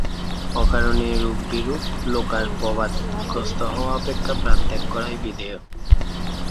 অকারণে এরূপ বিরূপ লোকারপবাদগ্রস্ত হওয়া অপেক্ষা প্রাণত্যাগ করাই বিধেয়।